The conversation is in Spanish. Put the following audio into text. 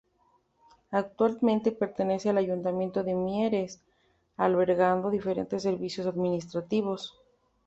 Actualmente pertenece al Ayuntamiento de Mieres, albergando diferentes servicios administrativos.